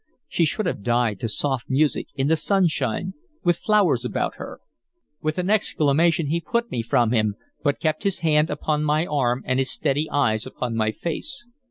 She should have died to soft music, in the sunshine, with flowers about her." With an exclamation he put me from him, but kept his hand upon my arm and his steady eyes upon my face.